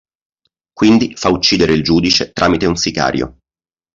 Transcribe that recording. Quindi fa uccidere il giudice tramite un sicario.